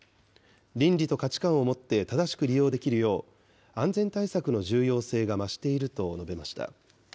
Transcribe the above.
倫理と価値観を持って正しく利用できるよう、安全対策の重要性が増していると述べました。